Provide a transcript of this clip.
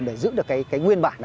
để giữ được nguyên bản